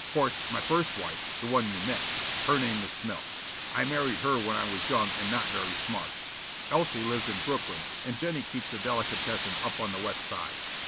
Course, my first wife, the one you met, her name is Smilk. I married her when I was young and not very smart. Elsie lives in Brooklyn and Jennie keeps a delicatessen up on the West Side."